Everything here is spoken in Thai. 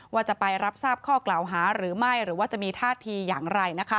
ว่าจะไปรับทราบข้อกล่าวหาหรือไม่หรือว่าจะมีท่าทีอย่างไร